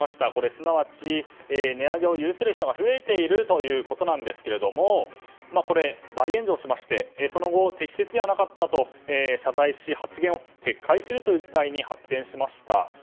すなわち、値上げを許せる人が増えているということなんですが大炎上しまして、その後適切ではなかったと謝罪し発言を撤回する事態に発展しました。